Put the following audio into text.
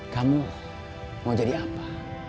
kamu mau jadi apa